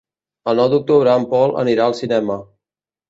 El nou d'octubre en Pol anirà al cinema.